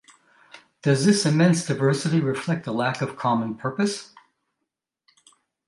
Does this immense diversity reflect a lack of common purpose?